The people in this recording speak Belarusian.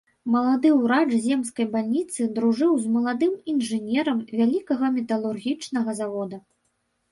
Малады ўрач земскай бальніцы дружыў з маладым інжынерам вялікага металургічнага завода.